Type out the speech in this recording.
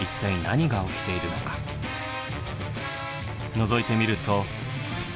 のぞいてみると。